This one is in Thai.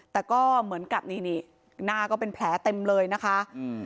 แต่ก็เหมือนกับนี่นี่หน้าก็เป็นแผลเต็มเลยนะคะอืม